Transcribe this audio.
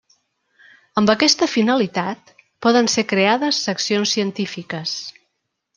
Amb aquesta finalitat, poden ser creades seccions científiques.